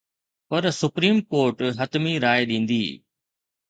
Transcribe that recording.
پر supreme court حتمي راءِ ڏيندي.